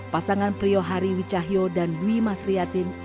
pasangan priyohari wicahyo dan dwi mas riazah berdua anak anak yang berada di rumahnya